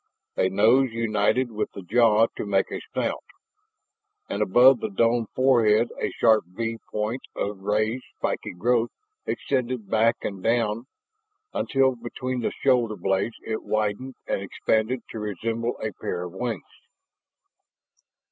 A nose united with the jaw to make a snout, and above the domed forehead a sharp V point of raised spiky growth extended back and down until behind the shoulder blades it widened and expanded to resemble a pair of wings.